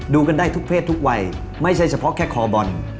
กันได้ทุกเพศทุกวัยไม่ใช่เฉพาะแค่คอบอล